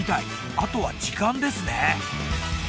あとは時間ですね。